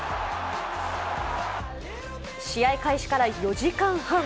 試合開始から４時間半。